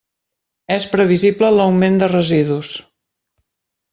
És previsible l'augment de residus.